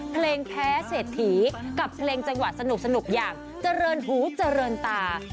เพลงแพ้เศรษฐีกับเพลงจังหวัดสนุกอย่างเจริญหูเจริญตา